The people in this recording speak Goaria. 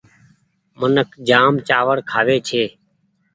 منک چآوڙ جآم کآوي ڇي ۔